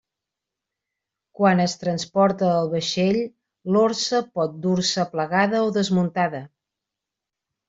Quan es transporta el vaixell l'orsa pot dur-se plegada o desmuntada.